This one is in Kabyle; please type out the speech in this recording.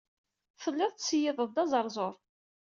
Telliḍ tettṣeyyideḍ-d azeṛzuṛ.